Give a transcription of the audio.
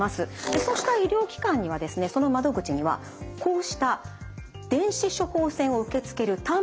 そうした医療機関にはですねその窓口にはこうした電子処方箋を受け付ける端末が置かれているんです。